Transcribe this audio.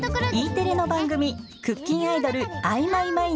Ｅテレの番組、クッキンアイドルアイ！